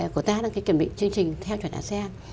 của ta đăng ký kiểm định chương trình theo chuẩn asean